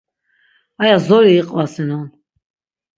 Aya zori iqvasinon.